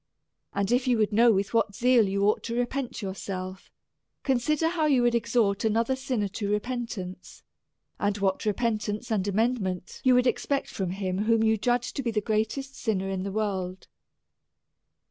And if you would know with what zeal you ought to repent yourself, consider how you would exhort another sinner to repentance; and w4iat re pentance and amendment you would expect from him, whom you judged to be the greatest sinner in the world.